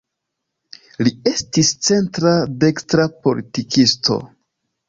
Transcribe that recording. Li estis centra-dekstra politikisto.